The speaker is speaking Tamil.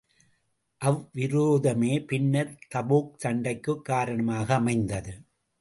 அவ்விரோதமே பின்னர் தபூக் சண்டைக்குக் காரணமாக அமைந்தது.